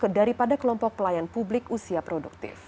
daripada kelompok pelayan publik usia produktif